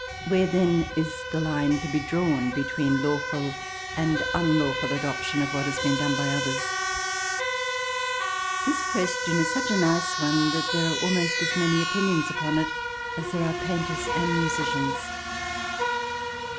Where, then, is the line to be drawn between lawful and unlawful adoption of what has been done by others? This question is such a nice one that there are almost as many opinions upon it as there are painters and musicians.